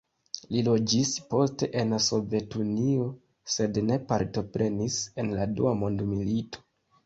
Li loĝis poste en Sovetunio, sed ne partoprenis en la Dua Mondmilito.